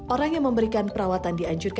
orang yang memberikan perawatan di rumah yang berbeda